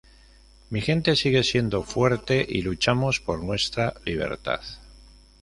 Mi gente sigue siendo fuerte y luchamos por nuestra libertad.